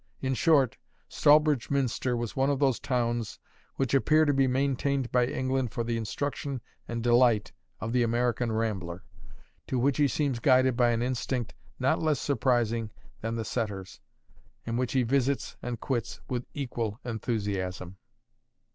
In short, Stallbridge Minster was one of those towns which appear to be maintained by England for the instruction and delight of the American rambler; to which he seems guided by an instinct not less surprising than the setter's; and which he visits and quits with equal enthusiasm.